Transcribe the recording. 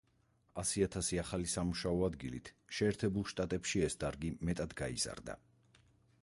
ასი ათასი ახალი სამუშაო ადგილით შეერთებულ შტატებში ეს დარგი მეტად გაიზარდა.